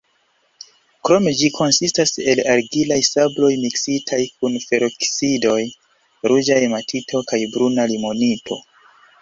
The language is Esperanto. Krome ĝi konsistas el argilaj sabloj miksitaj kun feroksidoj: ruĝa hematito kaj bruna limonito.